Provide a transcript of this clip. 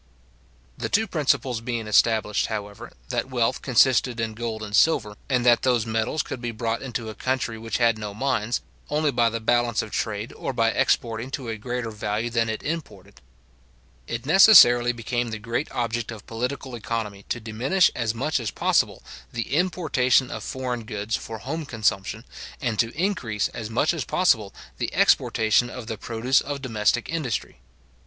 The two principles being established, however, that wealth consisted in gold and silver, and that those metals could be brought into a country which had no mines, only by the balance of trade, or by exporting to a greater value than it imported; it necessarily became the great object of political economy to diminish as much as possible the importation of foreign goods for home consumption, and to increase as much as possible the exportation of the produce of domestic industry.